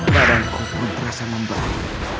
badanku pun terasa membalik